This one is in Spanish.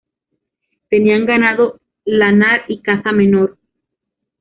Tenían ganado lanar y caza menor.